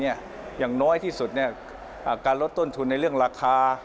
อย่างน้อยที่สุดการลดต้นทุนในเรื่องราคา